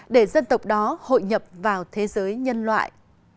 để dân tộc đó hội nhập vào thế giới nhân loại